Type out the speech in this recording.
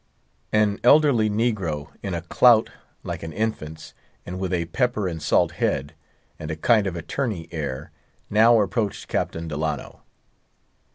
An elderly negro, in a clout like an infant's, and with a pepper and salt head, and a kind of attorney air, now approached Captain Delano.